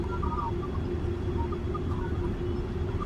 একবার তাঁকে দেখিই-না।